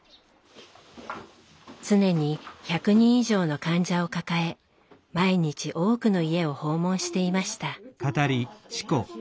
常に１００人以上の患者を抱え毎日多くの家を訪問していました。